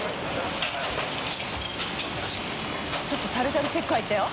ちょっとタルタルチェック入ったよ。